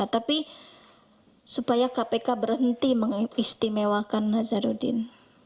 tapi supaya kpk berhenti mengistimewakan nazarudin